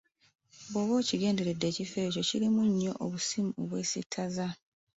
Bw'oba ng'okigenderedde ekifo ekyo kirimu nnyo obusimu obwesittaza.